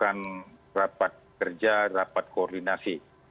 melaksanakan rapat kerja rapat koordinasi